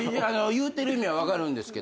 言うてる意味は分かるんですけど。